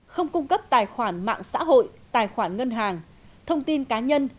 không cung cấp tài khoản mạng xã hội tài khoản ngân hàng thông tin cá nhân